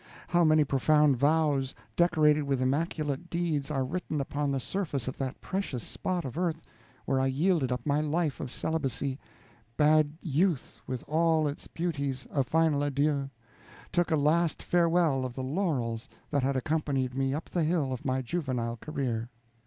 How many profound vows, decorated with immaculate deeds, are written upon the surface of that precious spot of earth where I yielded up my life of celibacy, bade youth with all its beauties a final adieu, took a last farewell of the laurels that had accompanied me up the hill of my juvenile career.